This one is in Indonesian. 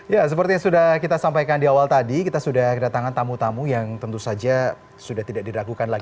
ya seperti yang sudah kita sampaikan di awal tadi kita sudah kedatangan tamu tamu yang tentu saja sudah tidak diragukan lagi